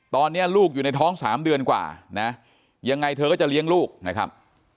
ตอนนี้ลูกอยู่ในท้อง๓เดือนกว่านะยังไงเธอก็จะเลี้ยงลูกนะครับ